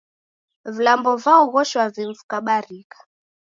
Vilambo vaoghoshwa vimu vikabarika